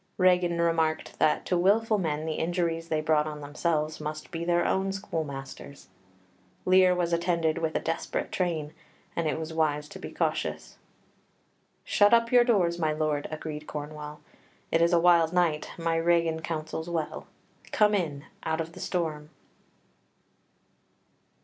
Regan remarked that to wilful men the injuries they brought on themselves must be their own schoolmasters; Lear was attended with a desperate train, and it was wise to be cautious. "Shut up your doors, my lord," agreed Cornwall; "it's a wild night; my Regan counsels well. Come in, out of the storm."